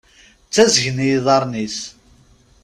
Ttazgen yiḍarren-is.